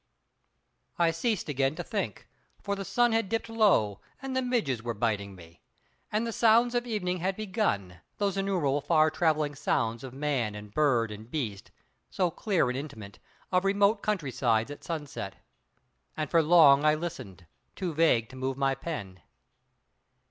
I ceased again to think, for the sun had dipped low, and the midges were biting me; and the sounds of evening had begun, those innumerable far travelling sounds of man and bird and beast—so clear and intimate—of remote countrysides at sunset. And for long I listened, too vague to move my pen.